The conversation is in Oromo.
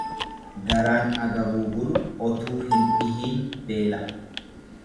Garaan agabuu bulu otuu hin dhihiin beela'a.